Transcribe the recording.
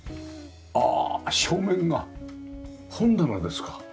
あっ正面が本棚ですか。